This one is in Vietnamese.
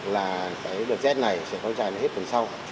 là đợt xét này sẽ khói dài hết phần sau